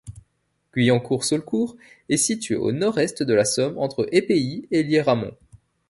Guyencourt-Saulcourt est située au nord-est de la Somme entre Épehy et Liéramont.